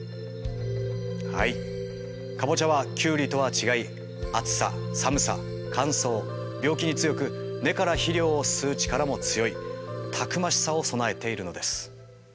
はいカボチャはキュウリとは違い暑さ寒さ乾燥病気に強く根から肥料を吸う力も強いたくましさを備えているのです。